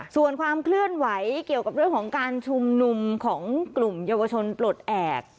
ส่วนความเคลื่อนไหวเกี่ยวกับเรื่องของการชุมนุมของกลุ่มเยาวชนปลดแอบ